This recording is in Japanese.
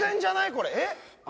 これえっ？